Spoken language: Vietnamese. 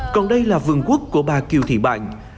còn đây là vườn quốc của bà kiều thị bạn